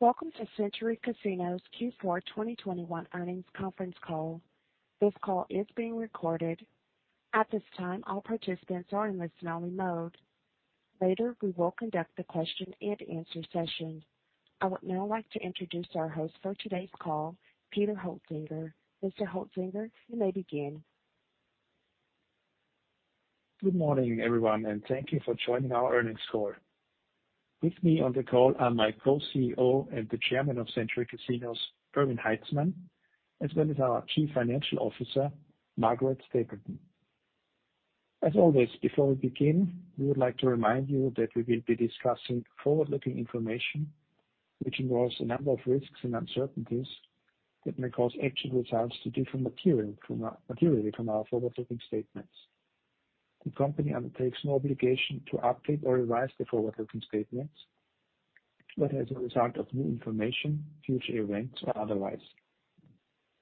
Welcome to Century Casinos Q4 2021 earnings conference call. This call is being recorded. At this time, all participants are in listen-only mode. Later, we will conduct a question-and-answer session. I would now like to introduce our host for today's call, Peter Hoetzinger. Mr. Hoetzinger, you may begin. Good morning, everyone, and thank you for joining our earnings call. With me on the call are my Co-CEO and the Chairman of Century Casinos, Erwin Haitzmann, as well as our Chief Financial Officer, Margaret Stapleton. As always, before we begin, we would like to remind you that we will be discussing forward-looking information, which involves a number of risks and uncertainties that may cause actual results to differ materially from our forward-looking statements. The company undertakes no obligation to update or revise the forward-looking statements, whether as a result of new information, future events, or otherwise.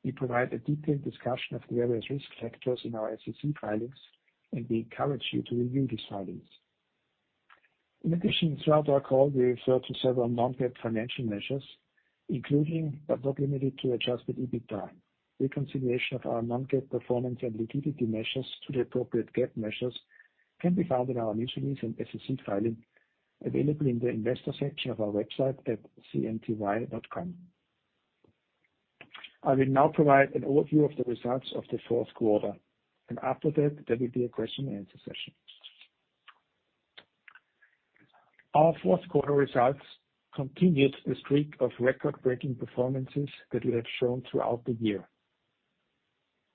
We provide a detailed discussion of various risk factors in our SEC filings, and we encourage you to review these filings. In addition, throughout our call, we refer to several non-GAAP financial measures, including, but not limited to, adjusted EBITDA. Reconciliation of our non-GAAP performance and liquidity measures to the appropriate GAAP measures can be found in our news release and SEC filing available in the investor section of our website at cnty.com. I will now provide an overview of the results of the Q4, and after that, there will be a question-and-answer session. Our Q4 results continued the streak of record-breaking performances that we have shown throughout the year.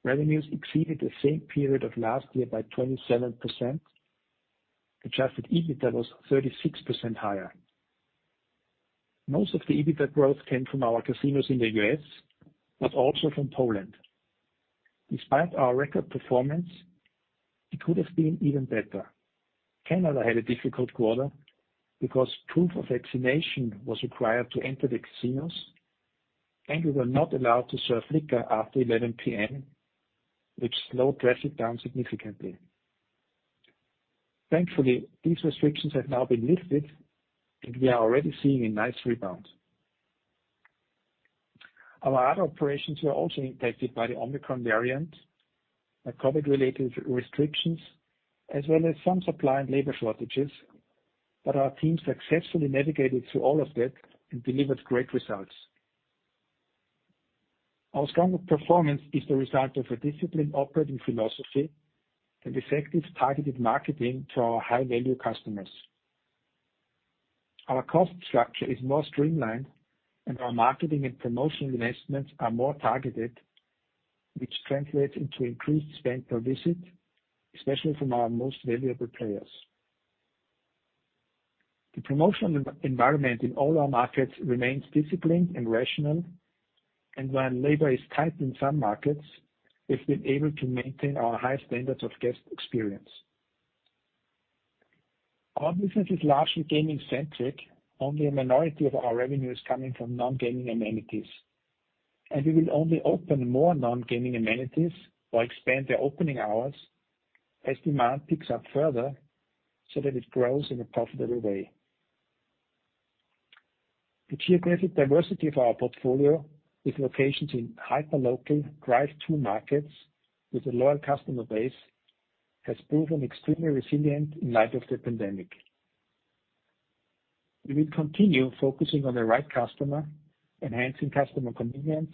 Revenues exceeded the same period of last year by 27%. Adjusted EBITDA was 36% higher. Most of the EBITDA growth came from our casinos in the U.S., but also from Poland. Despite our record performance, it could have been even better. Canada had a difficult quarter because proof of vaccination was required to enter the casinos, and we were not allowed to serve liquor after 11:00 P.M., which slowed traffic down significantly. Thankfully, these restrictions have now been lifted, and we are already seeing a nice rebound. Our other operations were also impacted by the Omicron variant and COVID-19-related restrictions, as well as some supply and labor shortages. Our team successfully navigated through all of that and delivered great results. Our stronger performance is the result of a disciplined operating philosophy and effective targeted marketing to our high-value customers. Our cost structure is more streamlined, and our marketing and promotional investments are more targeted, which translates into increased spend per visit, especially from our most valuable players. The promotional environment in all our markets remains disciplined and rational, and while labor is tight in some markets, we've been able to maintain our high standards of guest experience. Our business is largely gaming-centric. Only a minority of our revenue is coming from non-gaming amenities, and we will only open more non-gaming amenities or expand their opening hours as demand picks up further so that it grows in a profitable way. The geographic diversity of our portfolio, with locations in hyperlocal, drive-to markets with a loyal customer base, has proven extremely resilient in light of the pandemic. We will continue focusing on the right customer, enhancing customer convenience,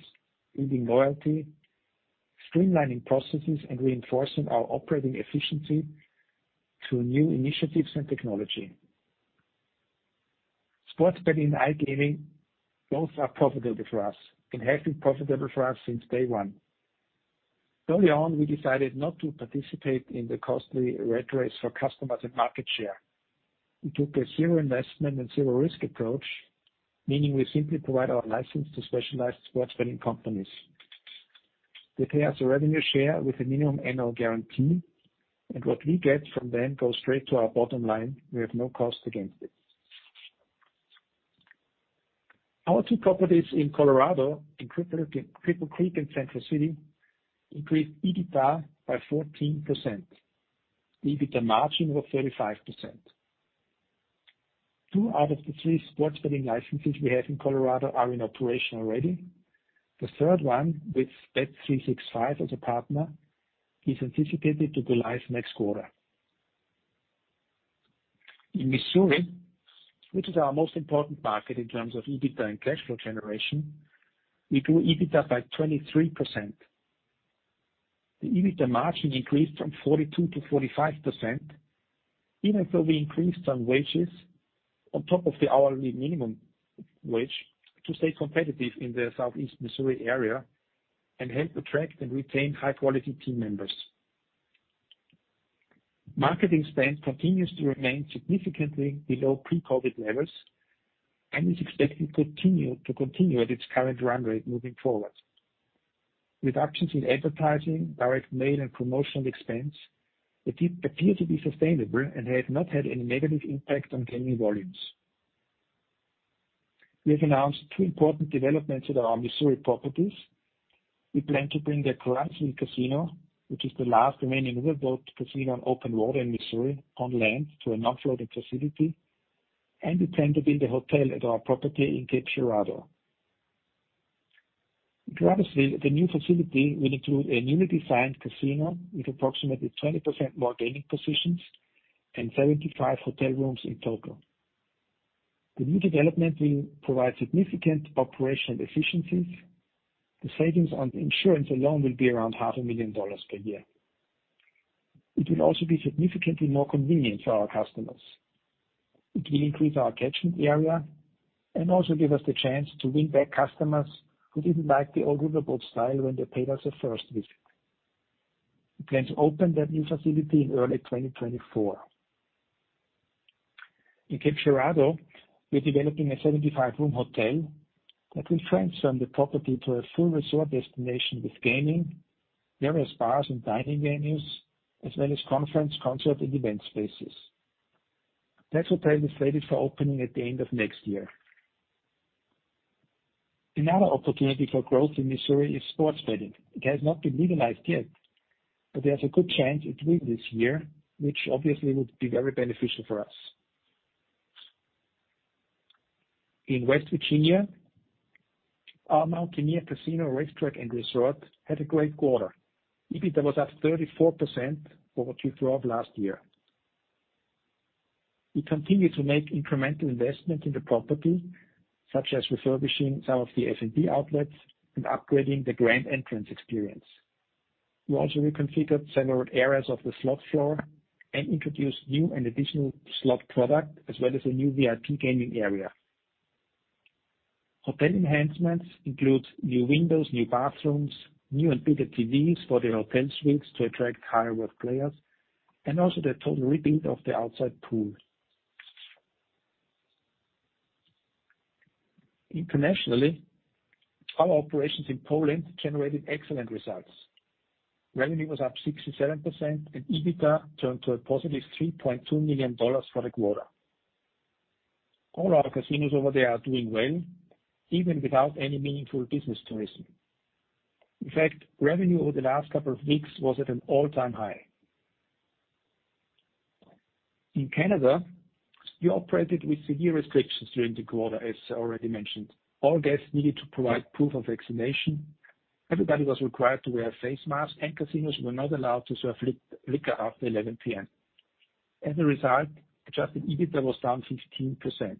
building loyalty, streamlining processes, and reinforcing our operating efficiency through new initiatives and technology. Sports betting and iGaming both are profitable for us and have been profitable for us since day one. Early on, we decided not to participate in the costly rat race for customers and market share. We took a zero investment and zero risk approach, meaning we simply provide our license to specialized sports betting companies. They pay us a revenue share with a minimum annual guarantee, and what we get from them goes straight to our bottom line. We have no cost against it. Our two properties in Colorado, in Cripple Creek and Central City, increased EBITDA by 14%. The EBITDA margin was 35%. Two out of the three sports betting licenses we have in Colorado are in operation already. The third one, with bet365 as a partner, is anticipated to go live next quarter. In Missouri, which is our most important market in terms of EBITDA and cash flow generation, we grew EBITDA by 23%. The EBITDA margin increased from 42% to 45%, even though we increased some wages on top of the hourly minimum wage to stay competitive in the southeast Missouri area and help attract and retain high-quality team members. Marketing spend continues to remain significantly below pre-COVID-19 levels and is expected to continue at its current run rate moving forward. Reductions in advertising, direct mail, and promotional expense appear to be sustainable and have not had any negative impact on gaming volumes. We have announced two important developments at our Missouri properties. We plan to bring the Century Casino Caruthersville, which is the last remaining riverboat casino on open water in Missouri, on land, to a non-floating facility, and we plan to build a hotel at our property in Cape Girardeau. Caruthersville, the new facility will include a newly designed casino with approximately 20% more gaming positions and 75 hotel rooms in total. The new development will provide significant operational efficiencies. The savings on insurance alone will be around $500,000 per year. It will also be significantly more convenient for our customers. It will increase our catchment area and also give us the chance to win back customers who didn't like the old riverboat style when they paid us a first visit. We plan to open that new facility in early 2024. In Cape Girardeau, we're developing a 75-room hotel that will transform the property to a full resort destination with gaming, various bars and dining venues, as well as conference, concert, and event spaces. That hotel is slated for opening at the end of next year. Another opportunity for growth in Missouri is sports betting. It has not been legalized yet, but there's a good chance it will this year, which obviously would be very beneficial for us. In West Virginia, our Mountaineer Casino, Racetrack & Resort had a great quarter. EBITDA was up 34% over Q1 2022 last year. We continue to make incremental investment in the property, such as refurbishing some of the F&B outlets and upgrading the grand entrance experience. We also reconfigured several areas of the slot floor and introduced new and additional slot product, as well as a new VIP gaming area. Hotel enhancements include new windows, new bathrooms, new and bigger TVs for the hotel suites to attract high-worth players, and also the total rebuild of the outside pool. Internationally, our operations in Poland generated excellent results. Revenue was up 67%, and EBITDA turned to a positive $3.2 million for the quarter. All our casinos over there are doing well, even without any meaningful business tourism. In fact, revenue over the last couple of weeks was at an all-time high. In Canada, we operated with severe restrictions during the quarter, as I already mentioned. All guests needed to provide proof of vaccination, everybody was required to wear face masks, and casinos were not allowed to serve liquor after 11:00 P.M. As a result, adjusted EBITDA was down 15%.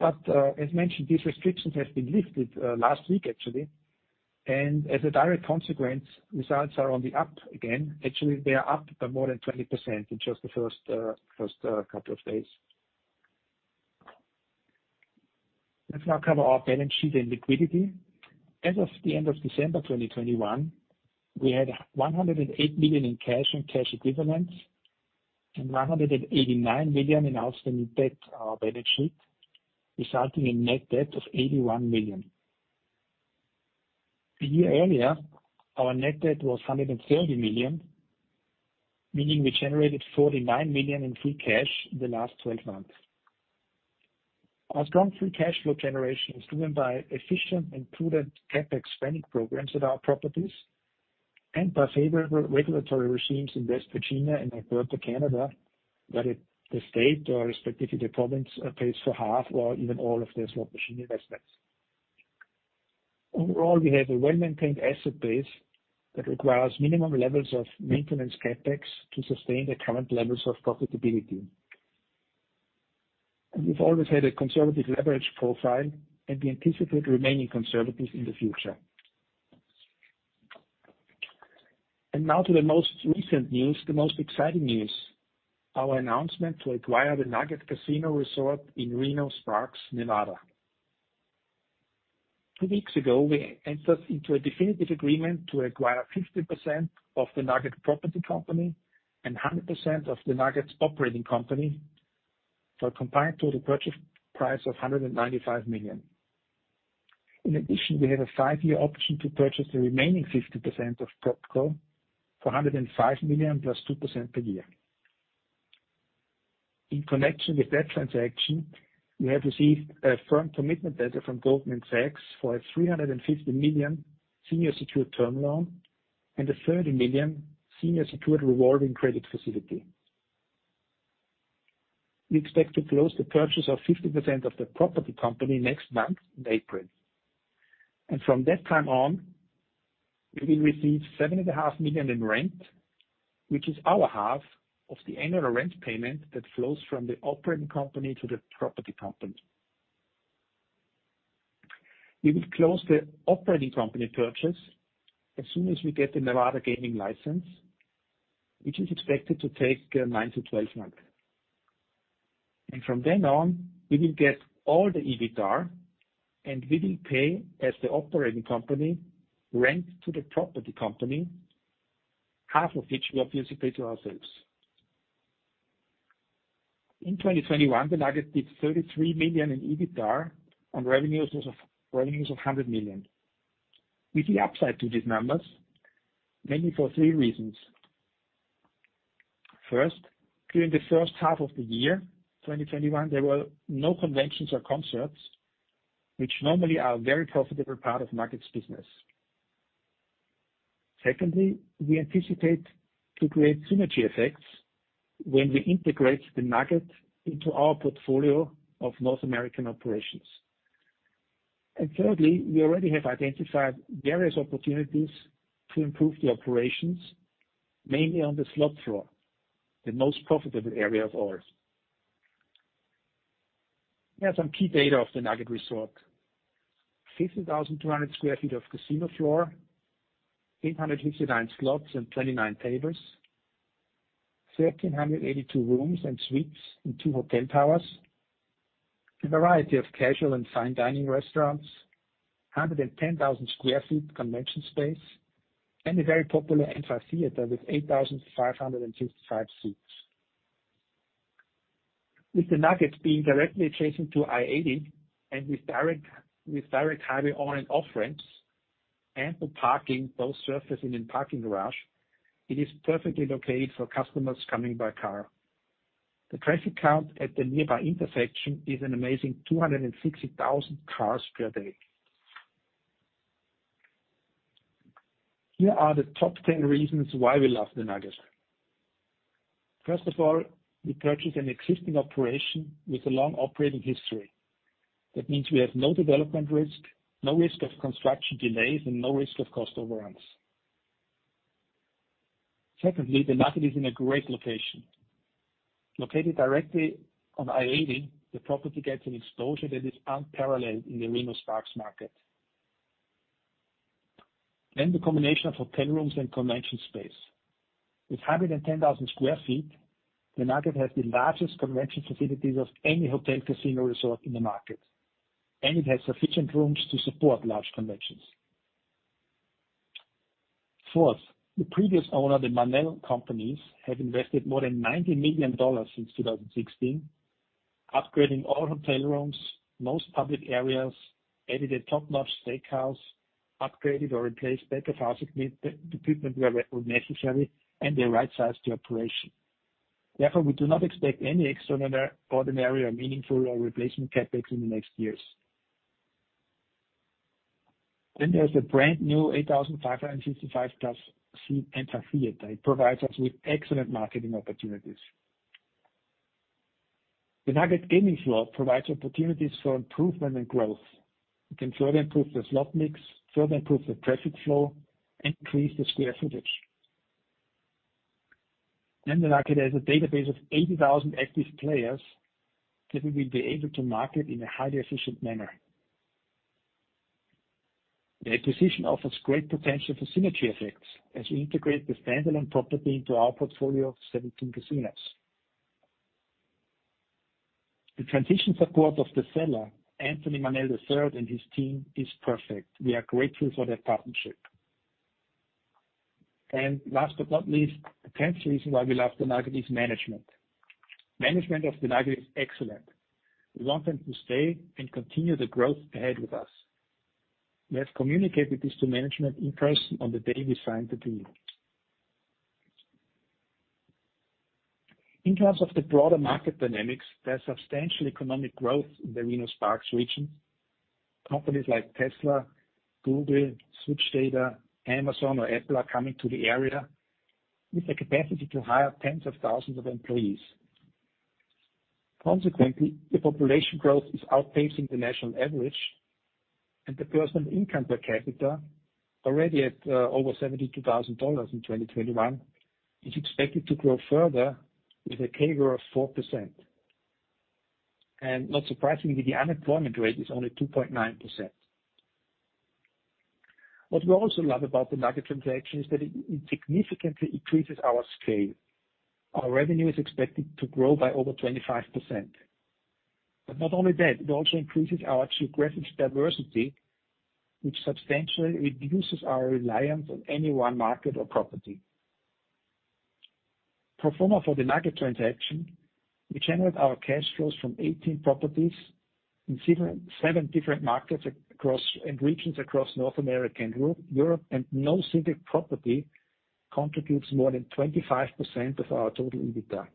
As mentioned, these restrictions have been lifted last week actually, and as a direct consequence, results are on the up again. Actually, they are up by more than 20% in just the first couple of days. Let's now cover our balance sheet and liquidity. As of the end of December 2021, we had $108 million in cash and cash equivalents and $189 million in outstanding debt on our balance sheet, resulting in net debt of $81 million. A year earlier, our net debt was $130 million, meaning we generated $49 million in free cash in the last 12 months. Our strong free cash flow generation is driven by efficient and prudent CapEx spending programs at our properties and by favorable regulatory regimes in West Virginia and Alberta, Canada, that the state or respectively the province pays for 1/2 or even all of the slot machine investments. Overall, we have a well-maintained asset base that requires minimum levels of maintenance CapEx to sustain the current levels of profitability. We've always had a conservative leverage profile, and we anticipate remaining conservative in the future. Now to the most recent news, the most exciting news, our announcement to acquire the Nugget Casino Resort in Reno-Sparks, Nevada. Two weeks ago, we entered into a definitive agreement to acquire 50% of the Nugget Property Company and 100% of the Nugget's operating company for a combined total purchase price of $195 million. In addition, we have a five-year option to purchase the remaining 50% of PropCo for $105 million +2% per year. In connection with that transaction, we have received a firm commitment letter from Goldman Sachs for a $350 million senior secured term loan and a $30 million senior secured revolving credit facility. We expect to close the purchase of 50% of the property company next month in April. From that time on, we will receive $7.5 million in rent, which is our 1/2 of the annual rent payment that flows from the operating company to the property company. We will close the operating company purchase as soon as we get the Nevada gaming license, which is expected to take nine months-12 months. From then on, we will get all the EBITDA, and we will pay as the operating company rent to the property company, 1/2 of which we obviously pay to ourselves. In 2021, the Nugget did $33 million in EBITDA on revenues of $100 million. We see upside to these numbers, mainly for three reasons. First, during the H1 of the year, 2021, there were no conventions or concerts, which normally are a very profitable part of Nugget's business. Secondly, we anticipate to create synergy effects when we integrate the Nugget into our portfolio of North American operations. Thirdly, we already have identified various opportunities to improve the operations, mainly on the slot floor, the most profitable area of ours. We have some key data of the Nugget resort. 50,200 sq ft of casino floor. 869 slots and 29 tables. 1,382 rooms and suites in two hotel towers. A variety of casual and fine dining restaurants. 110,000 sq ft convention space, and a very popular amphitheater with 8,565 seats. With the Nugget being directly adjacent to I-80 and with direct highway on and off ramps, ample parking, both surface and in parking garage, it is perfectly located for customers coming by car. The traffic count at the nearby intersection is an amazing 260,000 cars per day. Here are the top 10 reasons why we love the Nugget. First of all, we purchased an existing operation with a long operating history. That means we have no development risk, no risk of construction delays, and no risk of cost overruns. Secondly, the Nugget is in a great location. Located directly on I-80, the property gets an exposure that is unparalleled in the Reno-Sparks market. The combination of hotel rooms and convention space with 110,000 sq ft, the Nugget has the largest convention facilities of any hotel casino resort in the market, and it has sufficient rooms to support large conventions. Fourth, the previous owner, the Marnell Companies, have invested more than $90 million since 2016, upgrading all hotel rooms, most public areas, added a top-notch steakhouse, upgraded or replaced back-of-house equipment where necessary, and they right-sized the operation. Therefore, we do not expect any extraordinary or meaningful replacement CapEx in the next years. There's a brand-new 8,565+ seat amphitheater. It provides us with excellent marketing opportunities. The Nugget gaming floor provides opportunities for improvement and growth. We can further improve the slot mix, further improve the traffic flow, and increase the square footage. The Nugget has a database of 80,000 active players that we will be able to market in a highly efficient manner. The acquisition offers great potential for synergy effects as we integrate the standalone property into our portfolio of 17 casinos. The transition support of the seller, Anthony Marnell III and his team, is perfect. We are grateful for their partnership. Last but not least, the tenth reason why we love the Nugget is management. Management of the Nugget is excellent. We want them to stay and continue the growth ahead with us. We have communicated this to management in person on the day we signed the deal. In terms of the broader market dynamics, there's substantial economic growth in the Reno-Sparks region. Companies like Tesla, Google, Switch, Amazon or Apple are coming to the area with the capacity to hire tens of thousands of employees. Consequently, the population growth is outpacing the national average, and the personal income per capita, already at over $72,000 in 2021, is expected to grow further with a CAGR of 4%. Not surprisingly, the unemployment rate is only 2.9%. What we also love about the Nugget transaction is that it significantly increases our scale. Our revenue is expected to grow by over 25%. Not only that, it also increases our geographic diversity, which substantially reduces our reliance on any one market or property. Pro forma for the Nugget transaction, we generate our cash flows from 18 properties in seven different markets and regions across North America and Europe, and no single property contributes more than 25% of our total EBITDA.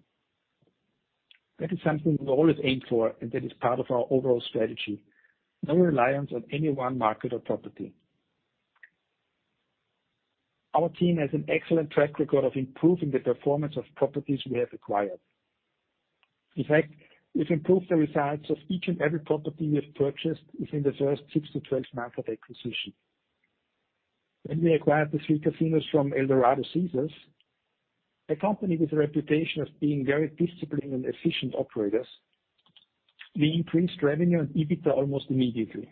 That is something we always aim for, and that is part of our overall strategy. No reliance on any one market or property. Our team has an excellent track record of improving the performance of properties we have acquired. In fact, we've improved the results of each and every property we have purchased within the first six months-12 months of acquisition. When we acquired the three casinos from Eldorado Resorts, a company with a reputation of being very disciplined and efficient operators, we increased revenue and EBITDA almost immediately.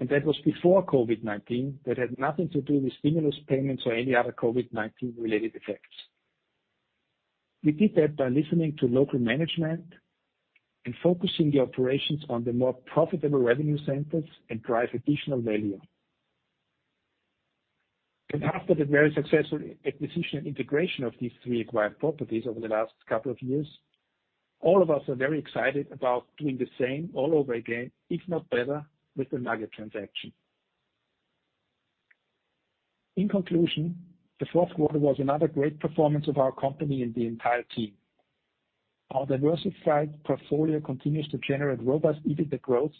That was before COVID-19. That had nothing to do with stimulus payments or any other COVID-19 related effects. We did that by listening to local management and focusing the operations on the more profitable revenue centers and driving additional value. After the very successful acquisition and integration of these three acquired properties over the last couple of years, all of us are very excited about doing the same all over again, if not better, with the Nugget transaction. In conclusion, the Q4 was another great performance of our company and the entire team. Our diversified portfolio continues to generate robust EBITDA growth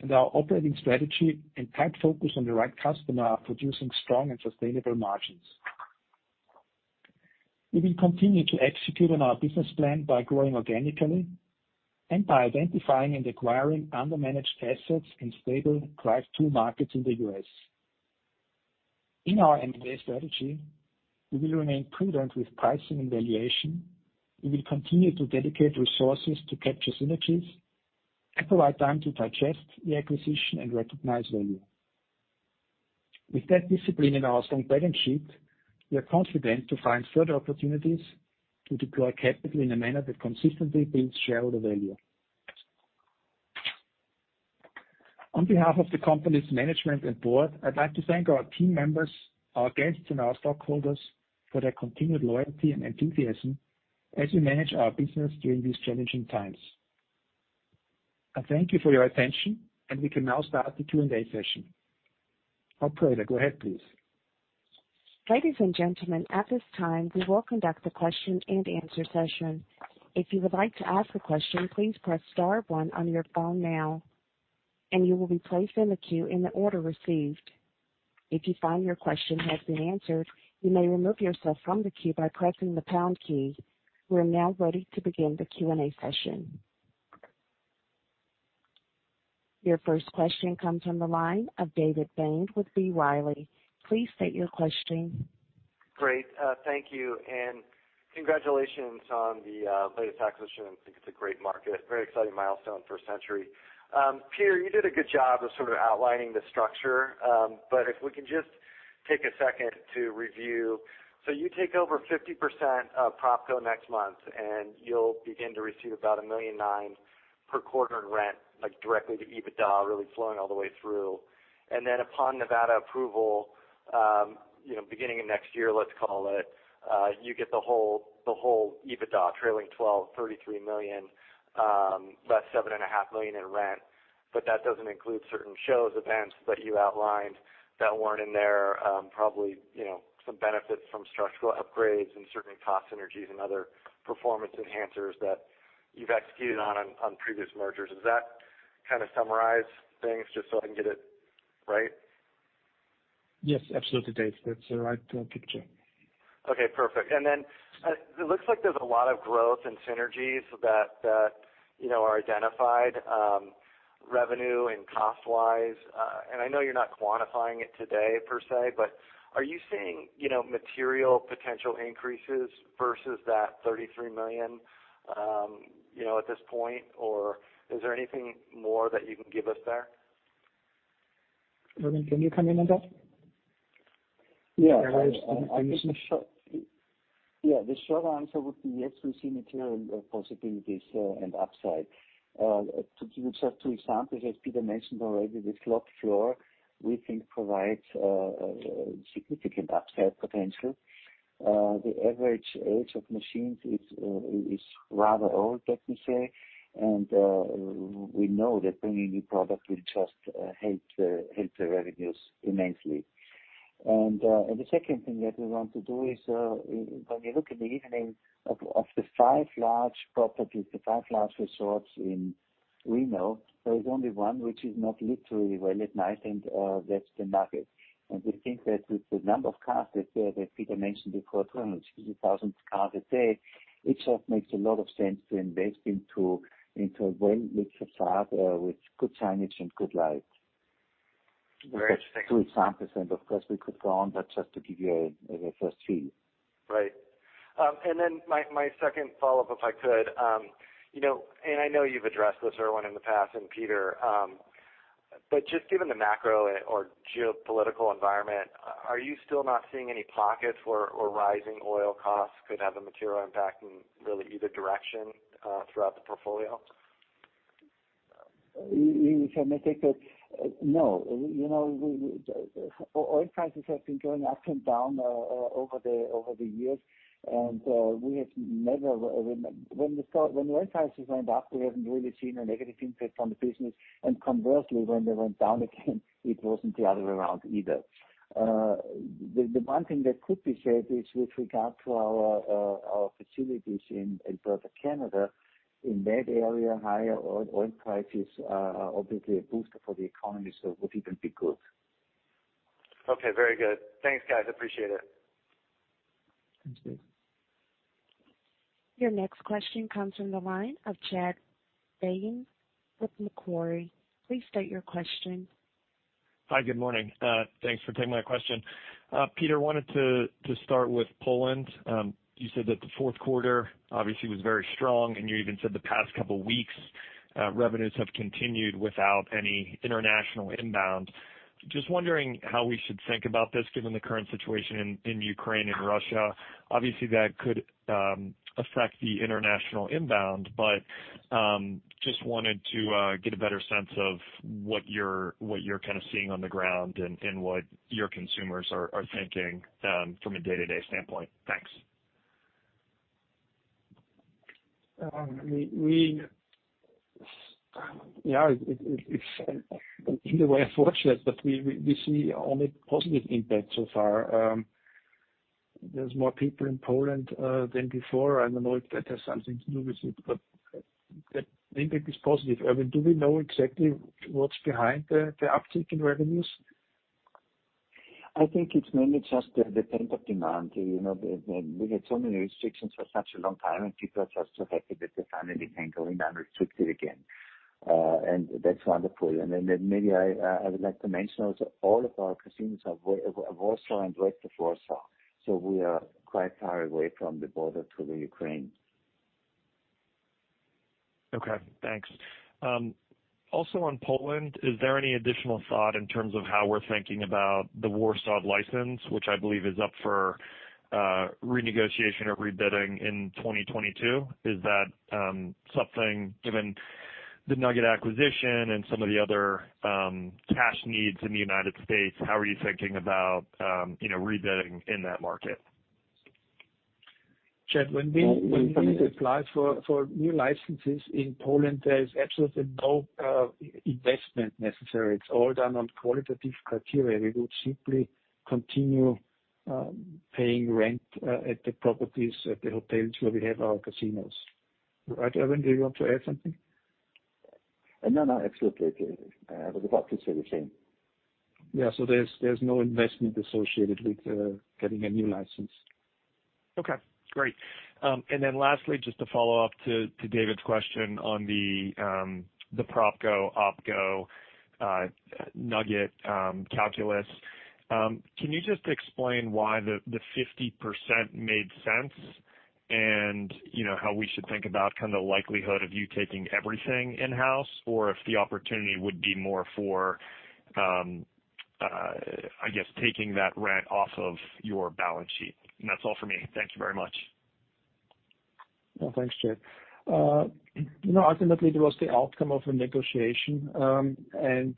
and our operating strategy and tight focus on the right customer are producing strong and sustainable margins. We will continue to execute on our business plan by growing organically and by identifying and acquiring undermanaged assets in stable drive-to markets in the U.S. In our M&A strategy, we will remain prudent with pricing and valuation. We will continue to dedicate resources to capture synergies and provide time to digest the acquisition and recognize value. With that discipline in our strong balance sheet, we are confident to find further opportunities to deploy capital in a manner that consistently builds shareholder value. On behalf of the company's management and board, I'd like to thank our team members, our guests, and our stockholders for their continued loyalty and enthusiasm as we manage our business during these challenging times. I thank you for your attention, and we can now start the Q&A session. Operator, go ahead, please. Ladies and gentlemen, at this time, we will conduct a question-and-answer session. If you would like to ask a question, please press star one on your phone now and you will be placed in the queue in the order received. If you find your question has been answered, you may remove yourself from the queue by pressing the pound key. We are now ready to begin the Q&A session. Your first question comes from the line of David Bain with B. Riley. Please state your question. Great. Thank you and congratulations on the latest acquisition. I think it's a great market. Very exciting milestone for Century. Peter, you did a good job of sort of outlining the structure. If we can just take a second to review. You take over 50% of PropCo next month, and you'll begin to receive about $1.9 million per quarter in rent, like directly to EBITDA, really flowing all the way through. Upon Nevada approval, you know, beginning of next year, let's call it, you get the whole EBITDA trailing twelve $33 million, less $7.5 million in rent. That doesn't include certain shows, events that you outlined that weren't in there. Probably, you know, some benefits from structural upgrades and certain cost synergies and other performance enhancers that you've executed on previous mergers. Does that kinda summarize things just so I can get it right? Yes, absolutely, David. That's the right picture. Okay, perfect. It looks like there's a lot of growth and synergies that, you know, are identified, revenue and cost-wise. I know you're not quantifying it today per se, but are you seeing, you know, material potential increases versus that $33 million, you know, at this point? Or is there anything more that you can give us there? Erwin, can you comment on that? Yeah. I think the short answer would be, yes, we see material possibilities and upside. To give just two examples, as Peter mentioned already, the slot floor we think provides significant upside potential. The average age of machines is rather old, let me say. We know that bringing new product will just help the revenues immensely. The second thing that we want to do is when you look at the evening of the five large properties, the five large resorts in Reno, there is only one which is not lit very well at night, and that's the Nugget. We think that with the number of cars that Peter mentioned before, 260,000 cars a day, it just makes a lot of sense to invest into a well-lit facade with good signage and good light. Very interesting. Two examples, and of course we could go on, but just to give you a first feel. Right. My second follow-up, if I could, you know, and I know you've addressed this, Erwin, in the past, and Peter, but just given the macro or geopolitical environment, are you still not seeing any pockets where rising oil costs could have a material impact in really either direction, throughout the portfolio? If I may take that. No. Oil prices have been going up and down over the years, and when the oil prices went up, we haven't really seen a negative impact on the business. Conversely, when they went down again, it wasn't the other way around either. The one thing that could be said is with regard to our facilities in Alberta, Canada. In that area, higher oil prices are obviously a booster for the economy, so it would even be good. Okay, very good. Thanks, guys. Appreciate it. Thanks, David. Your next question comes from the line of Chad Beynon with Macquarie. Please state your question. Hi, good morning. Thanks for taking my question. Peter, I wanted to start with Poland. You said that the fourth quarter obviously was very strong, and you even said the past couple weeks revenues have continued without any international inbound. Just wondering how we should think about this given the current situation in Ukraine and Russia. Obviously, that could affect the international inbound. Just wanted to get a better sense of what you're kinda seeing on the ground and what your consumers are thinking from a day-to-day standpoint. Thanks. Yeah, it's in a way unfortunate, but we see only positive impact so far. There's more people in Poland than before. I don't know if that has something to do with it, but the impact is positive. Erwin, do we know exactly what's behind the uptick in revenues? I think it's mainly just the pent-up demand. You know, we had so many restrictions for such a long time, and people are just so happy that they finally can go unrestricted again. That's wonderful. Maybe I would like to mention also, all of our casinos are in Warsaw and west of Warsaw, so we are quite far away from the border to the Ukraine. Okay, thanks. Also on Poland, is there any additional thought in terms of how we're thinking about the Warsaw license, which I believe is up for renegotiation or rebidding in 2022? Is that something, given the Nugget acquisition and some of the other cash needs in the United States, how are you thinking about you know, rebidding in that market? Chad, when we Well, When we apply for new licenses in Poland, there is absolutely no investment necessary. It's all done on qualitative criteria. We would simply continue paying rent at the properties, at the hotels where we have our casinos. Right, Erwin, do you want to add something? No. Absolutely, I was about to say the same. Yeah. There's no investment associated with getting a new license. Okay, great. And then lastly, just to follow up to David's question on the PropCo, OpCo, Nugget calculus. Can you just explain why the 50% made sense and, you know, how we should think about kind of the likelihood of you taking everything in-house or if the opportunity would be more for, I guess, taking that rent off of your balance sheet? That's all for me. Thank you very much. Well, thanks, Chad. You know, ultimately there was the outcome of a negotiation, and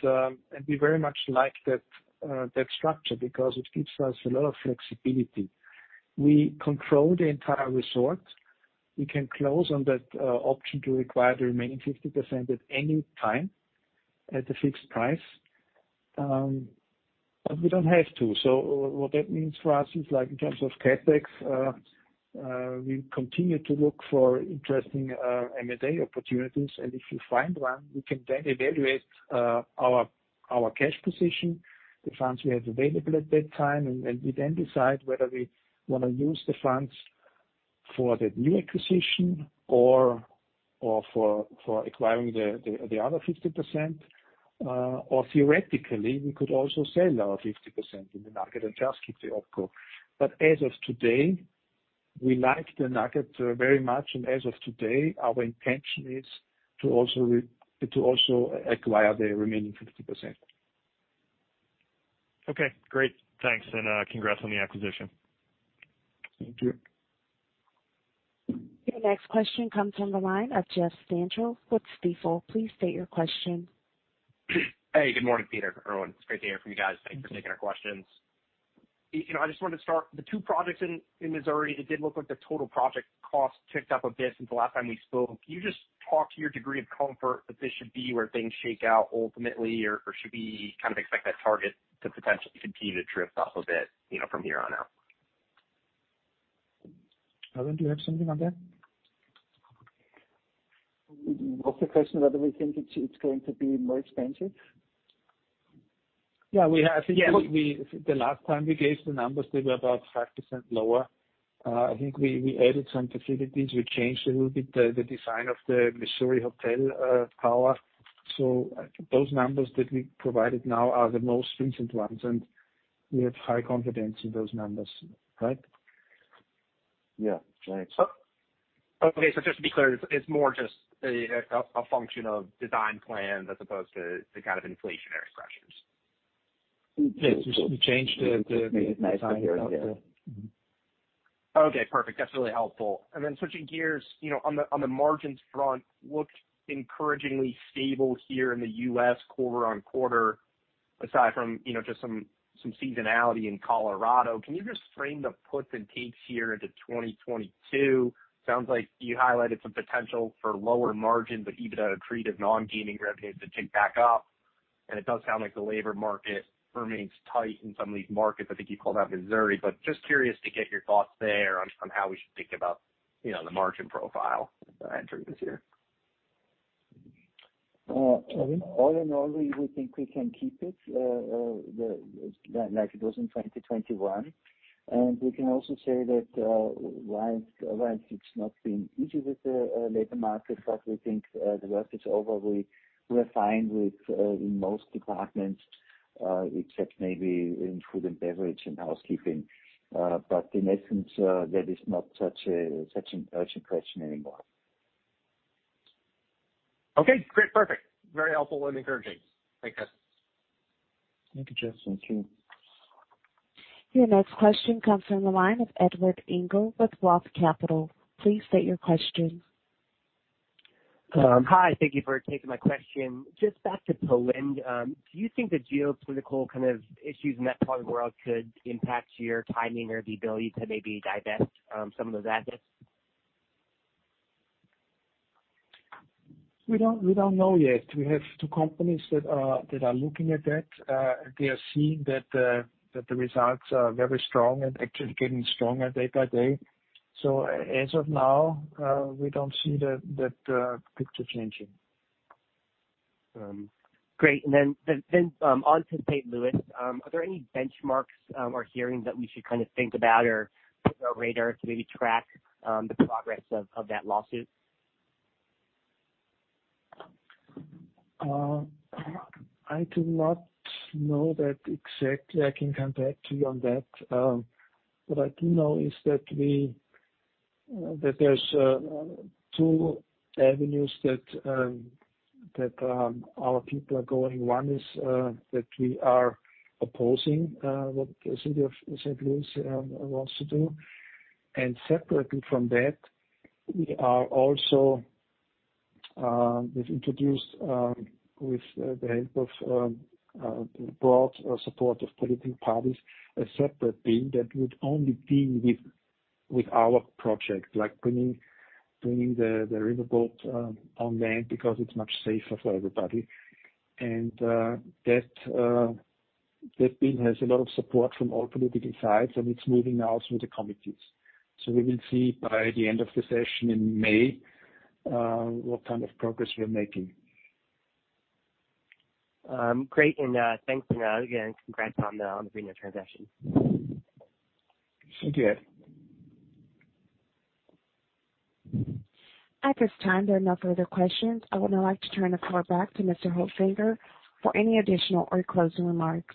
we very much like that structure because it gives us a lot of flexibility. We control the entire resort. We can close on that option to acquire the remaining 50% at any time at a fixed price. We don't have to. What that means for us is like in terms of CapEx, we continue to look for interesting M&A opportunities, and if you find one, we can then evaluate our cash position, the funds we have available at that time. We then decide whether we wanna use the funds for the new acquisition or for acquiring the other 50%. Theoretically, we could also sell our 50% in the Nugget and just keep the OpCo. As of today, we like the Nugget very much, and as of today, our intention is to also acquire the remaining 50%. Okay, great. Thanks. Congrats on the acquisition. Thank you. Your next question comes from the line of Jeffrey Stantial with Stifel. Please state your question. Hey, good morning, Peter Hoetzinger, Erwin Haitzmann. It's great to hear from you guys. Thanks for taking our questions. You know, I just wanted to start the two projects in Missouri. It did look like the total project cost ticked up a bit since the last time we spoke. Can you just talk to your degree of comfort that this should be where things shake out ultimately or should we kind of expect that target to potentially continue to drift up a bit, you know, from here on out? Erwin, do you have something on that? Was the question whether we think it's going to be more expensive? Yeah, we have. I think the last time we gave the numbers, they were about 5% lower. I think we added some facilities. We changed a little bit the design of the Missouri hotel tower. So those numbers that we provided now are the most recent ones, and we have high confidence in those numbers. Right? Yeah. Right. Okay. Just to be clear, it's more just a function of design plans as opposed to kind of inflationary pressures. Yes. We changed the design of the. Just made it nicer here and there. Mm-hmm. Okay, perfect. That's really helpful. Then switching gears, you know, on the margins front, looked encouragingly stable here in the U.S. quarter-over-quarter, aside from, you know, just some seasonality in Colorado. Can you just frame the puts and takes here into 2022? Sounds like you highlighted some potential for lower margin, but EBITDA rate of non-gaming revenues to tick back up. It does sound like the labor market remains tight in some of these markets. I think you called out Missouri, but just curious to get your thoughts there on how we should think about, you know, the margin profile entering this year. Uh- Erwin? All in all, we think we can keep it like it was in 2021. We can also say that while it's not been easy with the labor market, but we think the worst is over. We were fine within most departments except maybe in food and beverage and housekeeping. In essence, that is not such an urgent question anymore. Okay, great. Perfect. Very helpful and encouraging. Thanks, guys. Thank you, Jeffrey. Thank you. Your next question comes from the line of Edward Engel with Roth Capital. Please state your question. Hi. Thank you for taking my question. Just back to Poland, do you think the geopolitical kind of issues in that part of the world could impact your timing or the ability to maybe divest, some of those assets? We don't know yet. We have two companies that are looking at that. They are seeing that the results are very strong and actually getting stronger day by day. As of now, we don't see the picture changing. Great. On to St. Louis, are there any benchmarks or hearing that we should kind of think about or put on our radar to maybe track the progress of that lawsuit? I do not know that exactly. I can come back to you on that. What I do know is that there's two avenues that our people are going. One is that we are opposing what the city of St. Louis wants to do. Separately from that, we are also we've introduced with the help of broad support of political parties, a separate bill that would only deal with our project, like bringing the riverboat on land because it's much safer for everybody. That bill has a lot of support from all political sides, and it's moving now through the committees. We will see by the end of the session in May what kind of progress we're making. Great. Thanks again. Congrats on the Reno transaction. Thank you. At this time, there are no further questions. I would now like to turn the call back to Mr. Hoetzinger for any additional or closing remarks.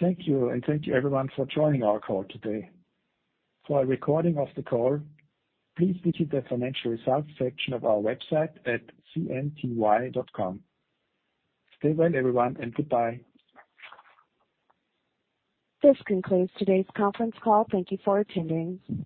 Thank you, and thank you everyone for joining our call today. For a recording of the call, please visit the financial results section of our website at cnty.com. Stay well, everyone, and goodbye. This concludes today's conference call. Thank you for attending.